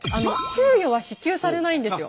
給与は支給されないんですよ。